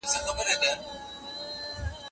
ده په خپله صافه باندې د خپل ژوند وروستۍ هڅه وکړه.